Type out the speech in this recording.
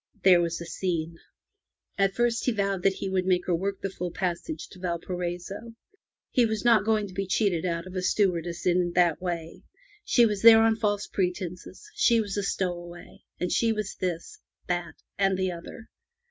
There was a scene. At first he vowed that he would make her work the full passage to Valparaiso. He was not going to be cheated out of a stewardess in that way. She was there on false pretenses; she was a stowaway; she was this, that, and the other.